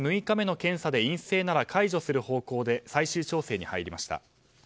６日目の検査で陰性なら解除する方向で最終調整に入りました。